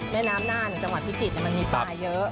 แม่น้ำน่านจังหวัดพิจิตรมันมีปลาเยอะ